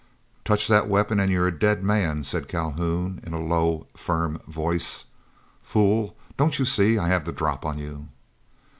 "Touch that weapon, and you are a dead man," said Calhoun, in a low, firm voice. "Fool, don't you see I have the drop on you?"